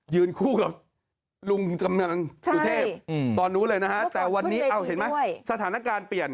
ยืนคู่กับลุงจำนางสุทธิพย์บอนนู้นเลยนะฮะแต่วันนี้เห็นไหมสถานการณ์เปลี่ยน